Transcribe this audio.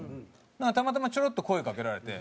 たまたまちょろっと声を掛けられて。